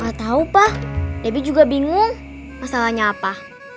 gak tahu pak debbie juga bingung masalahnya apa